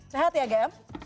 sehat ya gem